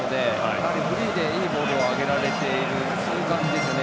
やはりフリーでいいボールを上げられている感じですよね。